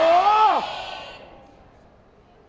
โอ้โห